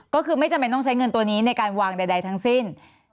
ก็คือไม่จำเป็นต้องใช้เงินตัวนี้ในการวางใดทั้งสิ้น